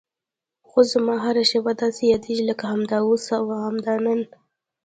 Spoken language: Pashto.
خو زما هره شېبه داسې یادېږي لکه همدا اوس او همدا نن.